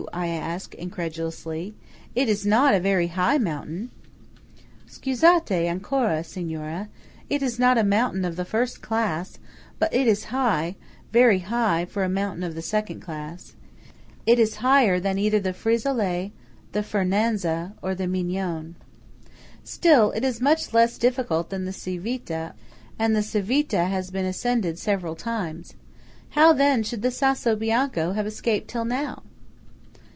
I ask, incredulously. "It is not a very high mountain." "Scusate ancora, Signora–it is not a mountain of the first class; but it is high, very high, for a mountain of the second class. It is higher than either the Frisolet, the Fernazza, or the Migion." "Still it is much less difficult than the Civita, and the Civita has been ascended several times. How then should the Sasso Bianco have escaped till now?"